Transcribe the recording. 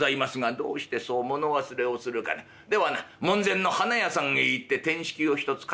「どうしてそう物忘れをするかな。ではな門前の花屋さんへ行っててんしきを一つ借りてきなさい。